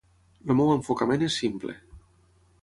El meu enfocament és simple.